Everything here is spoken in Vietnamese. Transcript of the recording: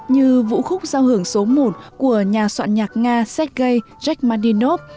như vũ khúc giao hưởng số một của nhà soạn nhạc nga sergei jakardinov